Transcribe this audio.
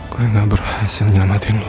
gue gak berhasil nyelamatin lo